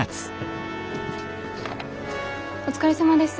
お疲れさまです。